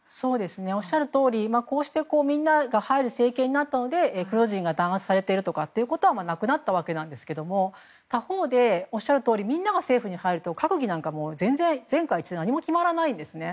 おっしゃるとおりこうしてみんなが入る政権になったのでクルド人が弾圧されているということはなくなったんですが他方で、おっしゃるとおりみんなが政府に入ると閣議なんか全然全会一致では何も決まらないんですね。